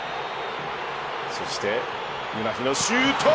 そしてウナヒのシュート。